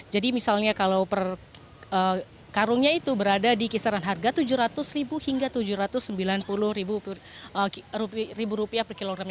jadi misalnya kalau karungnya itu berada di kisaran harga rp tujuh ratus hingga rp tujuh ratus sembilan puluh per kilogram